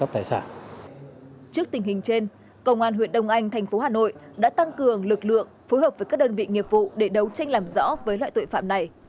trước tình hình trên công an huyện đông anh thành phố hà nội đã tăng cường lực lượng phối hợp với các đơn vị nghiệp vụ để đấu tranh làm rõ với loại tội phạm này